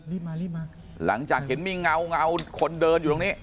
หลังขึ้นนัดหนึ่งหลังจากเห็นมีเงาคนเดินอยู่ตรงนี้